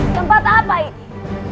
tempat apa ini